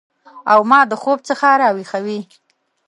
او ما د خوب څخه راویښوي